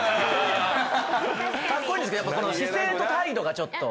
カッコイイんですけどこの姿勢と態度がちょっと。